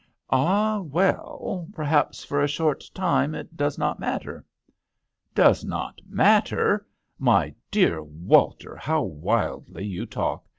4$ " Ah, well, perhaps for a short time it does not matter." '' Does not matter I My dear Walter, how wildly you talk